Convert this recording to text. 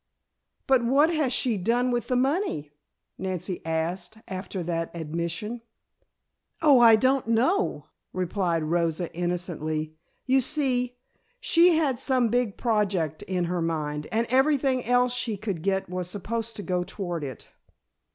"But what has she done with the money?" Nancy asked, after that admission. "Oh, I don't know," replied Rosa, innocently. "You see, she had some big project in her mind and everything else she could get was supposed to go toward it."